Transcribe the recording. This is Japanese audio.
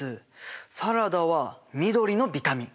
サラダは緑のビタミン。